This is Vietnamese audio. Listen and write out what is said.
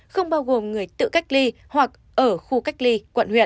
không bao gồm người tự cách ly hoặc ở khu cách ly quận huyện